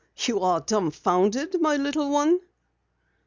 You are dumbfounded, my little one?"